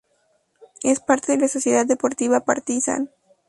Es parte de la Sociedad Deportiva Partizan.